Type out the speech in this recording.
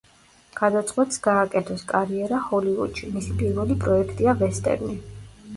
გადაწყვეტს გააკეთოს კარიერა ჰოლივუდში, მისი პირველი პროექტია ვესტერნი.